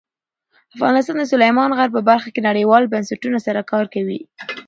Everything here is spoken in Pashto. افغانستان د سلیمان غر په برخه کې نړیوالو بنسټونو سره کار کوي.